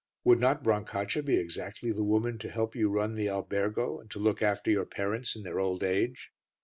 Would not Brancaccia be exactly the woman to help you to run the albergo and to look after your parents in their old age?"